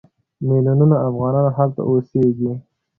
میلیونونه افغانان هلته اوسېږي.